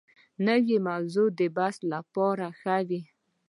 نوې موضوع د بحث لپاره ښه وي